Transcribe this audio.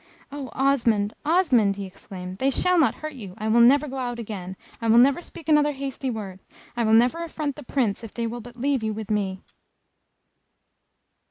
"Oh, Osmond! Osmond!" he exclaimed, "they shall not hurt you. I will never go out again. I will never speak another hasty word. I will never affront the Prince, if they will but leave you with me!"